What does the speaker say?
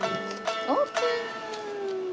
オープン！